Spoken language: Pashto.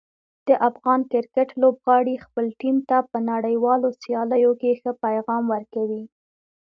د افغان کرکټ لوبغاړي خپل ټیم ته په نړیوالو سیالیو کې ښه پیغام ورکوي.